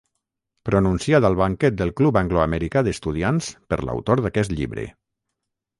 Pronunciat al banquet del Club angloamericà d'estudiants per l'autor d'aquest llibre.